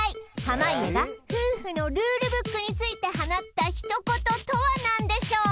濱家が夫婦のルールブックについて放った一言とは何でしょう？